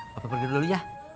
bapak pergi dulu ya